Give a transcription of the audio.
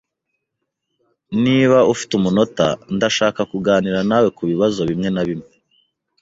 Niba ufite umunota, ndashaka kuganira nawe kubibazo bimwe na bimwe.